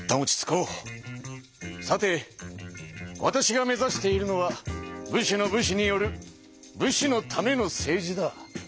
さてわたしが目ざしているのは武士の武士による武士のための政治だ。